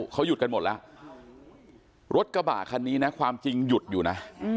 เขาหยุดกันหมดแล้วรถกระบะคันนี้นะความจริงหยุดอยู่นะ